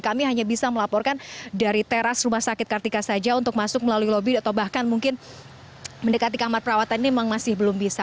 kami hanya bisa melaporkan dari teras rumah sakit kartika saja untuk masuk melalui lobby atau bahkan mungkin mendekati kamar perawatan ini memang masih belum bisa